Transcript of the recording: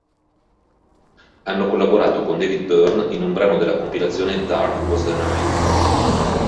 Hanno collaborato con David Byrne in un brano della compilation Dark Was the Night.